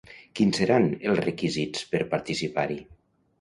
Quins seran els requisits per participar-hi?